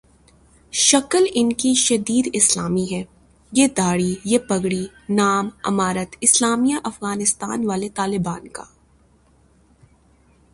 شکل انکی شدید اسلامی ہے ، یہ دھاڑی ، یہ پگڑی ، نام امارت اسلامیہ افغانستان والے طالبان کا ۔